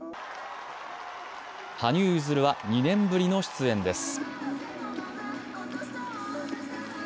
羽生結弦は２年ぶりの出演です。